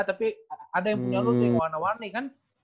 tapi ada yang punya lu tuh yang warna warni kan